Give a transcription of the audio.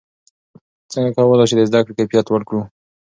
څنګه کولای شو د زده کړې کیفیت لوړ کړو؟